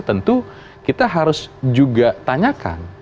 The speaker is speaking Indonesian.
tentu kita harus juga tanyakan